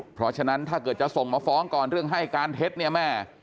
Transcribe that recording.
เพราะฉะนั้นถ้าเกิดจะส่งมาฟ้องก่อนเรื่องให้การเท็จเนี่ยแม่